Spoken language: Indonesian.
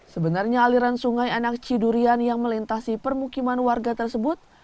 sebenarnya aliran sungai anak cidurian yang melintasi permukiman warga tersebut